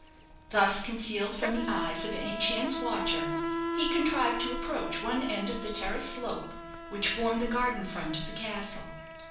Thus concealed from the eyes of any chance watcher, he contrived to approach one end of the terraced slope which formed the garden front of the castle.